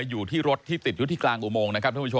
อยู่ที่รถที่๑๐ยุทธิกลางอุโมง